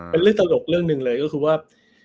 เป็นเรื่องตลกเรื่องหนึ่งเลยก็คือว่า